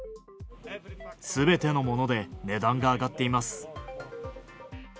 すべてのもので値段が上がっています。